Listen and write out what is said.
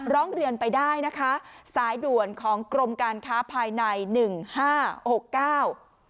ร้องเรียนไปได้นะคะสายด่วนของกรมการค้าภายในหนึ่งห้าหกเก้า